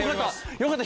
よかった。